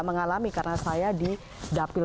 mengalami karena saya di dapil